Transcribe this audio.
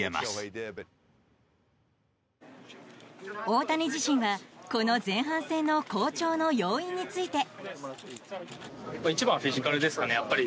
大谷自身は、この前半戦の好調の要因について。